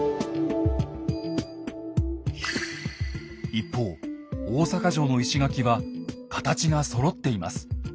一方大坂城の石垣は形がそろっています。